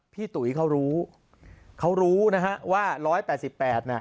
ตุ๋ยเขารู้เขารู้นะฮะว่าร้อยแปดสิบแปดน่ะ